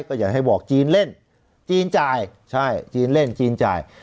ก็อยากให้บอกจีนเล่นจีนจ่ายใช่จีนเล่นจีนจ่าย